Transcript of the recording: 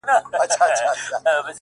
داسي محراب غواړم” داسي محراب راکه”